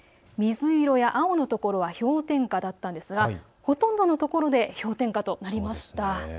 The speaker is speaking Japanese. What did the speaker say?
水色や青の所は氷点下だったんですがほとんどの所で氷点下となりました。